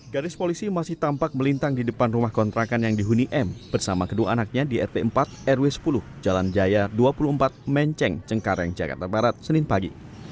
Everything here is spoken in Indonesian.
garis polisi masih tampak melintang di depan rumah kontrakan yang dihuni m bersama kedua anaknya di rt empat rw sepuluh jalan jaya dua puluh empat menceng cengkareng jakarta barat senin pagi